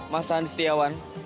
mas sandi setiawan